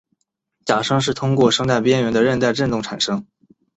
假声是通过声带边缘的韧带振动产生。